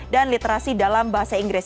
dan literasi dalam bahasa inggris